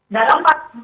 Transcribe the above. dari kata pak nusut